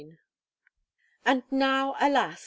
And now, alas!